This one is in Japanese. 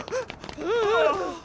ああ！